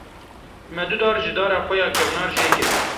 Me du dar ji dara xwe ya kevnar jê kirin.